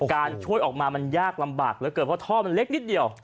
ช่วยออกมามันยากลำบากเหลือเกินเพราะท่อมันเล็กนิดเดียว